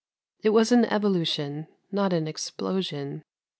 It was an evolution, not an explosion.